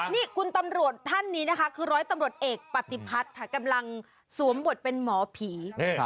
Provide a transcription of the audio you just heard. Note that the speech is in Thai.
นี่คุณตำรวจท่านนี้นะคะคือร้อยตำรวจเอกปฏิพัฒน์ค่ะกำลังสวมบทเป็นหมอผี